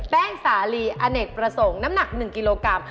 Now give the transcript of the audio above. สาลีอเนกประสงค์น้ำหนัก๑กิโลกรัม